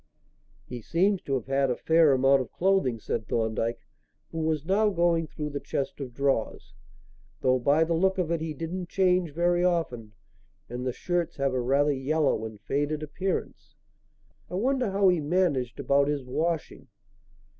"He seems to have had a fair amount of clothing," said Thorndyke, who was now going through the chest of drawers, "though, by the look of it, he didn't change very often, and the shirts have a rather yellow and faded appearance. I wonder how he managed about his washing.